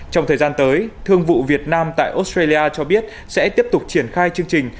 trong thời gian tới thương vụ việt nam tại australia cho biết sẽ tiếp tục triển khai chương trình